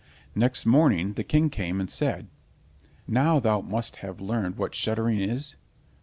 Next morning the King came and said, "Now thou must have learned what shuddering is?"